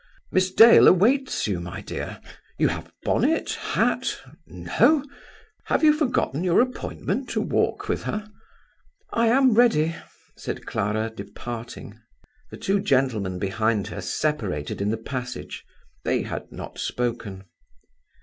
"Miss Dale awaits you, my dear. You have bonnet, hat? No? Have you forgotten your appointment to walk with her?" "I am ready," said Clara, departing. The two gentlemen behind her separated in the passage. They had not spoken.